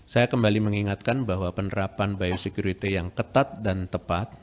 saya kembali mengingatkan bahwa penerapan biosecurity yang ketat dan tepat